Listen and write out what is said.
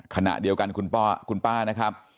ขณะเดียวกันคุณป้านะครับ